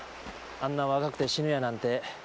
あんな若くて死ぬやなんて。